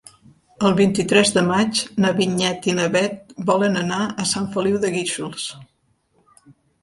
El vint-i-tres de maig na Vinyet i na Bet volen anar a Sant Feliu de Guíxols.